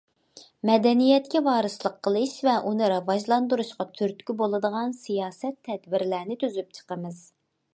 مەدەنىيەتكە ۋارىسلىق قىلىش ۋە ئۇنى راۋاجلاندۇرۇشقا تۈرتكە بولىدىغان سىياسەت- تەدبىرلەرنى تۈزۈپ چىقىمىز.